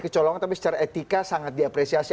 kecolongan tapi secara etika sangat diapresiasi